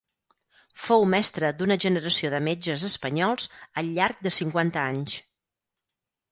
Fou mestre d'una generació de metges espanyols al llarg de cinquanta anys.